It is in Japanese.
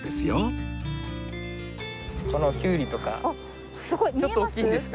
このキュウリとかちょっと大きいんですが。